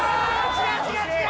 違う違う違う！